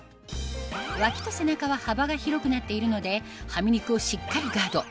脇と背中は幅が広くなっているのでハミ肉をしっかりガード